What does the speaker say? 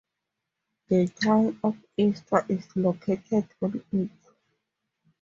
The town of Istra is located on it.